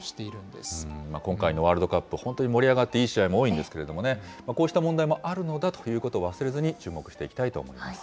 今回のワールドカップ、本当に盛り上がって、いい試合も多いんですけれどもね、こうした問題もあるのだということを忘れずに注目していきたいと思います。